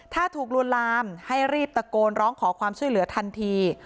ถ้าถูกลวนลามให้รีบตะโกนร้องขอความช่วยเหลือทันที